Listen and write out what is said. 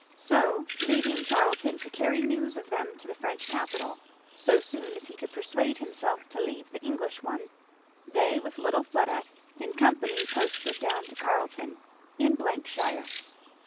So leaving Charlton to carry news of them to the French capital, so soon as he could persuade himself to leave the English one, they with little Fleda in company posted down to Carleton, in shire.